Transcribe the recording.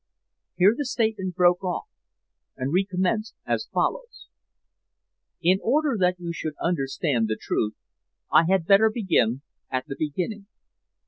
Here the statement broke off, and recommenced as follows: "In order that you should understand the truth, I had better begin at the beginning.